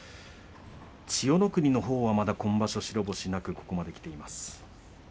千代の国のほうはまだ今場所白星なくここまできています。